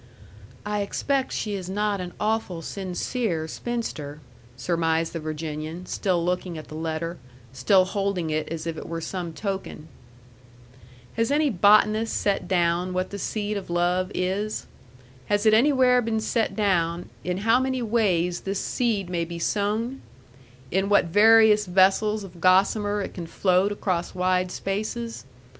"I expect she is not an awful sincere spinster," surmised the Virginian, still looking at the letter, still holding it as if it were some token. Has any botanist set down what the seed of love is? Has it anywhere been set down in how many ways this seed may be sown? In what various vessels of gossamer it can float across wide spaces?